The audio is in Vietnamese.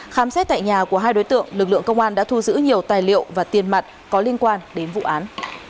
khám xét tại nhà của hai đối tượng lực lượng công an đã thu giữ nhiều tài liệu và tiền mặt có liên quan đến vụ án